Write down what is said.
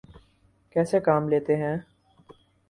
کیسے کما لیتے ہیں؟